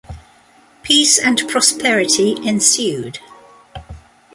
Peace and prosperity ensued.